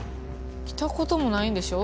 来たこともないんでしょ？